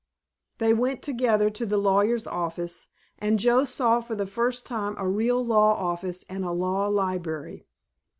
They went together to the lawyer's office, and Joe saw for the first time a real law office and a law library.